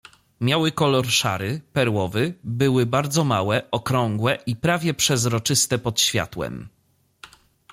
"Miały kolor szary, perłowy, były bardzo małe, okrągłe i prawie przezroczyste pod światłem."